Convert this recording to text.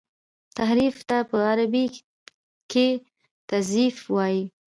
تحريف ته په عربي کي تزييف وايي.